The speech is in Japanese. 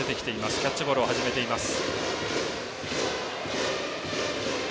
キャッチボールを始めています。